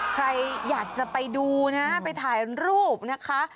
ใครอยากจะไปดูนะไปถ่ายรูปนะคะ